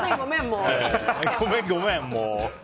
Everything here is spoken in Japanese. ごめん、ごめん、もう！